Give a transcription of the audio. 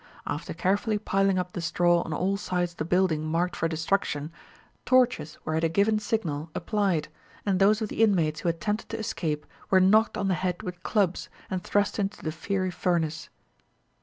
After carefully piling up the straw on all sides of the building marked for destruction, torches were at a given signal applied, and those of the inmates who attempted to escape were knocked on the head with clubs, and thrust into the fiery furnace.